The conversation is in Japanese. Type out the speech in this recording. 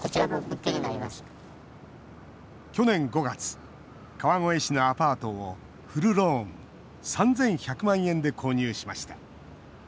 去年５月川越市のアパートをフルローン３１００万円で購入しました。